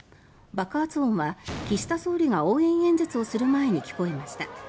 爆発音は岸田総理が応援演説をする前に聞こえました。